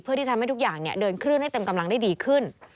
เพื่อที่ทำให้ทุกอย่างเดินขึ้นให้เต็มกำลังได้ดีขึ้น